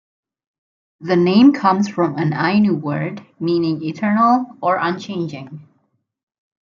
The name comes from an Ainu word meaning "Eternal" or "unchanging".